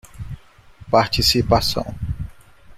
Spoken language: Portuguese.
Participação